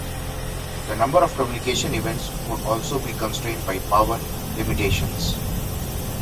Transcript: The number of communication events would also be constrained by power limitations.